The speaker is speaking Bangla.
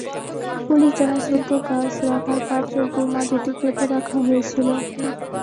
পুলিশ জানায়, ছোট গাছ রাখার পাত্রে বোমা দুটি পেতে রাখা হয়েছিল।